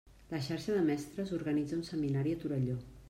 La xarxa de mestres organitza un seminari a Torelló.